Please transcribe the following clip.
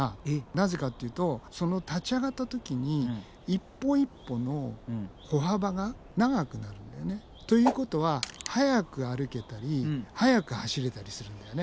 なぜかっていうとその立ち上がった時に一歩一歩の歩幅が長くなるんだよね。ということは速く歩けたり速く走れたりするんだよね。